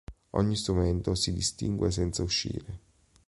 Ogni strumento si distingue senza uscire.